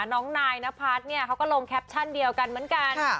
น้องนายนภัทรเขาก็ลงแคปชั่นเดียวกันเหมือนกัน